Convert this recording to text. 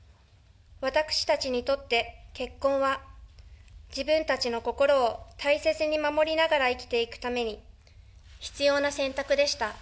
私たちにとって結婚は、自分たちの心を大切に守りながら生きていくために必要な選択でした。